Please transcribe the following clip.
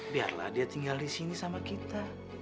biarlah dia tinggal di sini sama kita